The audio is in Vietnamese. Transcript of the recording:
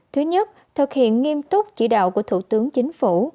thứ nhất thực hiện nghiêm túc chỉ đạo của thủ tướng chính phủ